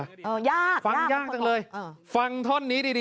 ยากครับคุณผู้ชมฟังยากจังเลยฟังท่อนนี้ดีนะ